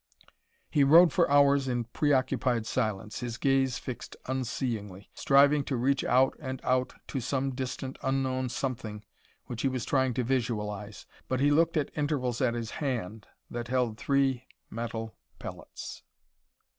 He rode for hours in preoccupied silence, his gaze fixed unseeingly, striving to reach out and out to some distant, unknown something which he was trying to visualize. But he looked at intervals at his hand that held three metal pellets.